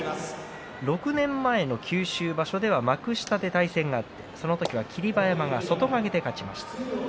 ６年前の九州場所では幕下で対戦があって、その時は霧馬山が外掛けで勝ちました。